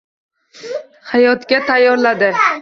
Hayotga tayyorladi